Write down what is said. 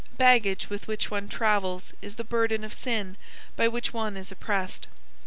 Baggage with which one travels is the burden of sin by which one is oppressed.